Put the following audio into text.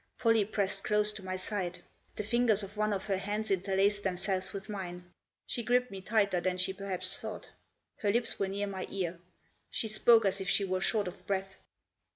Pollie pressed close to my side. The fingers of one of her hands interlaced themselves with mine ; she gripped me tighter than she perhaps thought. Her lips were near my ear ; she spoke as if she were short of breath.